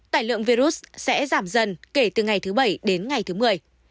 tài lượng virus sẽ giảm dần kể từ ngày thứ bảy đến ngày thứ mười